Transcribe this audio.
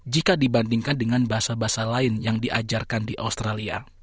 jika dibandingkan dengan bahasa bahasa lain yang diajarkan di australia